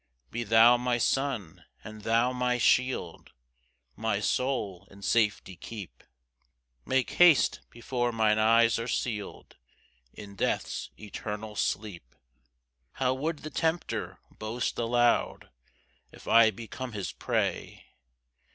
4 Be thou my sun and thou my shield, My soul in safety keep; Make haste before mine eyes are seal'd In death's eternal sleep. 5 How would the tempter boast aloud If I become his prey!